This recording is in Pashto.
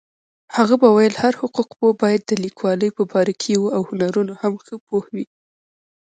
هغە به ویل هر حقوقپوه باید د لیکوالۍ په باريكييواو هنرونو هم ښه پوهوي.